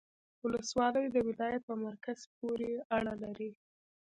ولسوالۍ د ولایت په مرکز پوري اړه لري